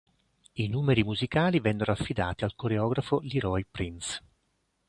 I numeri musicali vennero affidati al coreografo LeRoy Prinz.